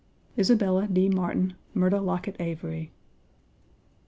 ISABELLA D. MARTIN, MYRTA LOCKETT AVARY.